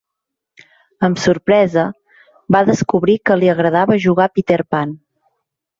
Amb sorpresa, va descobrir que li agradava jugar a Peter Pan.